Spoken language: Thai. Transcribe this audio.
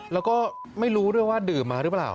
แล้วก็ไม่รู้ด้วยว่าดื่มมาหรือเปล่า